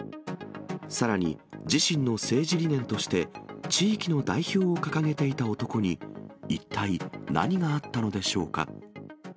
さらに、自身の政治理念として、地域の代表を掲げていた男に、一体何があったのでしょうか。